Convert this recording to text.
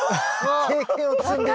経験を積んでる。